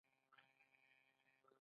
دوی به د عادي خلکو ژوند ته خوښي راوستله.